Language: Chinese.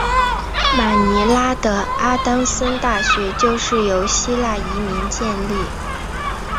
马尼拉的阿当森大学就是由希腊移民建立。